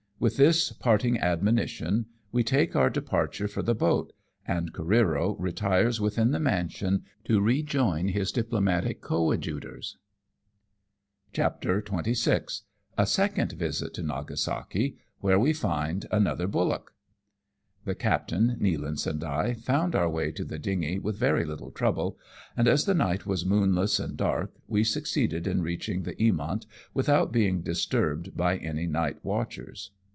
With this parting admonition, we take our departure for the boat, and Careero retires within the mansion to rejoin his diplomatic coadjutors. CHAPTEE XXVI. A SECOND VISIT TO NAGASAKI, WHERE WE FIND ANOTHER BULLOCK. The captain, Nealance, and I found our way to the dingy with very little trouble, and as the night was moonless and dark we succeeded in reaching the Eamont without being disturbed by any night watchers.